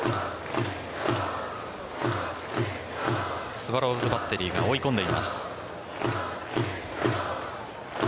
スワローズバッテリーが追い込んでいます。